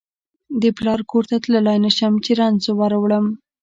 د پلار کور ته تللای نشم چې رنځ وروړم